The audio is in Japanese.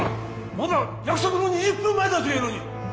まだ約束の２０分前だというのに。